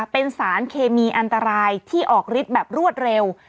เป็นสารเคมีอันตรายที่ออกฤทธิ์แบบรวดเร็ว